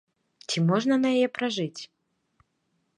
Ці можна на яе пражыць?